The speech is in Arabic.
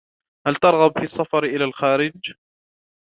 هل ترغب في السفر إلى الخارج ؟